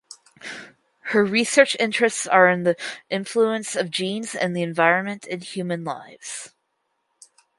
Her research interests are in the influence of genes and environment in human lives.